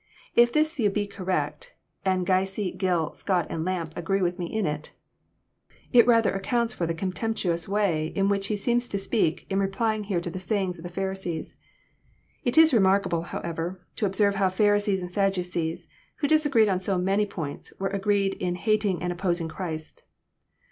If this view be correct (and Guyse, Gill, Scott, and Lampe agree with me in it), it rather accounts for th^ contemptuous way in which he seems to si»eak in replying here to the saying of the Pharisees. It is remarkable, however, to observe how Pharisees and Sadducees, who disagreed on so many points, were agreed in hating and opposing Christ.